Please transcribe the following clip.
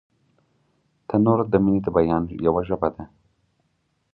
تنور د مینې د بیان یوه ژبه ده